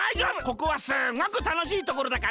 ここはすっごくたのしいところだから！